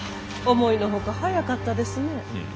思いの外早かったですね。